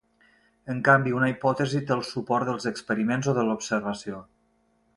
En canvi, una hipòtesi té el suport dels experiments, o de l'observació.